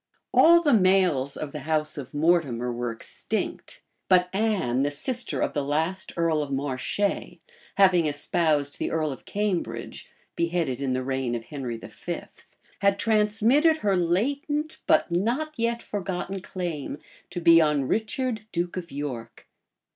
All the males of the house of Mortimer were extinct; but Anne, the sister of the last earl of Marche, having espoused the earl of Cambridge, beheaded in the reign of Henry V. had transmitted her latent, but not yet forgotten claim to be; on Richard, duke of York.